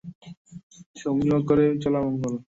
সমীহ করেই চলা মঙ্গল।